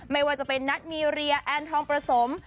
ไม่ว่าจะเป็นนัทมีเรียแอนทองประสม